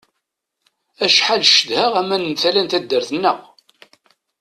Acḥal cedheɣ aman n tala n taddart-nneɣ!